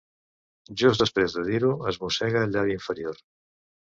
Just després de dir-ho es mossega el llavi inferior.